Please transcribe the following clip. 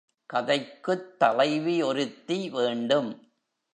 கதைக்குத் தலைவி ஒருத்தி வேண்டும்.